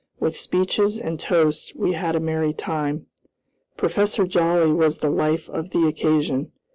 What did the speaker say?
With speeches and toasts we had a merry time. Professor Joly was the life of the occasion.